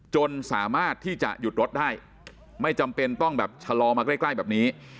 จนสามารถที่จะหยุดรถได้ไม่จำเป็นต้องแบบชะลอมาใกล้แบบนี้